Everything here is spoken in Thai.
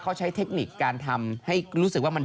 เขาใช้เทคนิคการทำให้รู้สึกว่ามัน